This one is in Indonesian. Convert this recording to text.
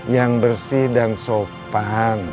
yang bersih dan sopan